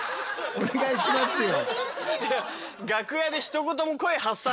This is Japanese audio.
お願いしますよ。